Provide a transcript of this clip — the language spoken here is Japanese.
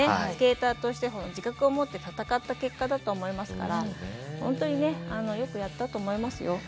スケーターとしての自覚を持って戦った結果だと思いますから本当によくやったと思いますよ。